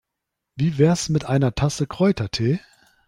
Wie wär's mit einer Tasse Kräutertee?